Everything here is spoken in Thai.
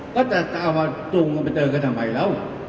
ก็จะเอามาอยู่กันไปจนทำไมละ